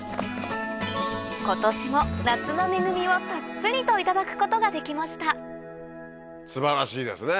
今年もをたっぷりといただくことができました素晴らしいですね！